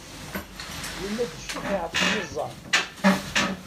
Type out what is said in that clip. Winna d ccix iɛefsen iẓẓan.